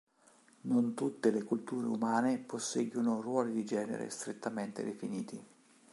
Non tutte le culture umane posseggono ruoli di genere strettamente definiti.